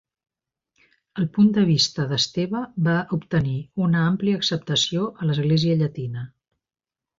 El punt de vista d'Esteve va obtenir una àmplia acceptació a l'Església llatina.